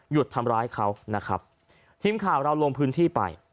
ทำร้ายเขานะครับทีมข่าวเราลงพื้นที่ไป